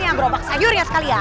itu masih saibu rambutnya